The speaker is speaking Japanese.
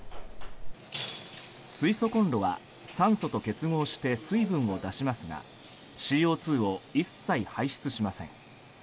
水素コンロは酸素と結合して水分を出しますがＣＯ２を一切排出しません。